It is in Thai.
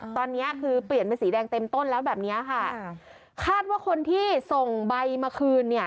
ตอนเนี้ยคือเปลี่ยนเป็นสีแดงเต็มต้นแล้วแบบเนี้ยค่ะคาดว่าคนที่ส่งใบมาคืนเนี่ย